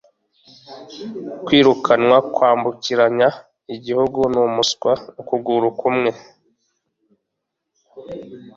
Kwirukanwa kwambukiranya igihugu numuswa ukuguru kumwe.